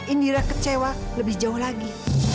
indira kecewa lebih jauh lagi